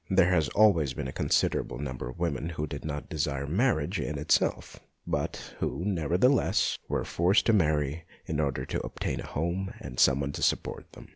There has always been a considerable number of women who did not desire marriage in it self, but who, nevertheless, were forced to marry in order to obtain a home and some one to support them.